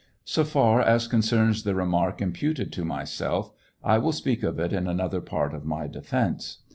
So far as concerns the remark imputed to myself, I will speak of it in another part of my defence.